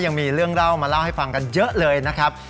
ยังมีเรื่องเล่ามาเล่าให้ฟังกันเยอะเลยนะครับ